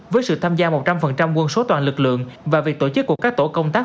với sự tham gia một trăm linh quân số toàn lực lượng và việc tổ chức của các tổ công tác